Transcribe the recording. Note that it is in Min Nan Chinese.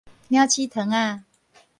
鳥鼠糖仔